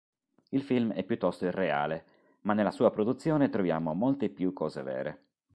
Il film è piuttosto irreale ma nella sua produzione troviamo molte più cose vere.